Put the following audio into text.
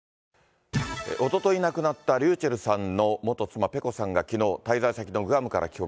おととい亡くなったｒｙｕｃｈｅｌｌさんの元妻、ペコさんが、きのう、滞在先のグアムから帰国。